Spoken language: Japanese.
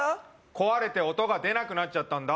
壊れて音が出なくなっちゃったんだ